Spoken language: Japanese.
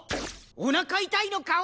「おなか痛い」の顔！